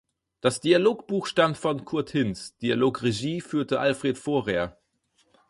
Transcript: Das Dialogbuch stammt von Kurt Hinz, Dialogregie führte Alfred Vohrer.